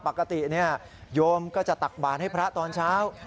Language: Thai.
ปกติโยมก็จะตักบานให้พระตอนเช้า